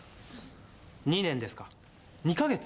「２年ですか？